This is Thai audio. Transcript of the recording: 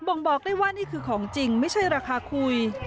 ่งบอกได้ว่านี่คือของจริงไม่ใช่ราคาคุย